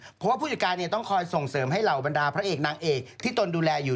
เพราะว่าผู้จัดการต้องคอยส่งเสริมให้เหล่าบรรดาพระเอกนางเอกที่ตนดูแลอยู่